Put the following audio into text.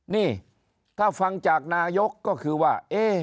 นี่ถ้าฟังจากนายกก็คือว่า